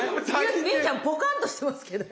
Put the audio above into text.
望結ちゃんポカンとしてますけど。